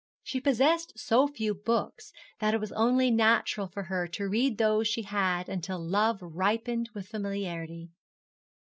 She possessed so few books that it was only natural for her to read those she had until love ripened with familiarity.